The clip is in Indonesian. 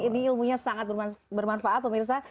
ini ilmunya sangat bermanfaat pak mirza